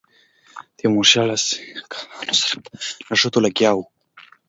تیمورشاه له سیکهانو سره په نښتو لګیا وو.